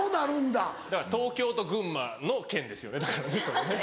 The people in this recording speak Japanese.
だから東京と群馬の県ですよねだからねそのね。